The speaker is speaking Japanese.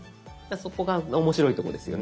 そこが面白いとこですよね。